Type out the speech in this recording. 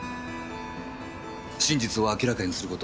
真実を明らかにする事。